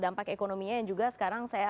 dampak ekonominya yang juga sekarang saya